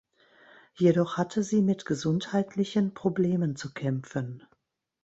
Jedoch hatte sie mit gesundheitlichen Problemen zu kämpfen.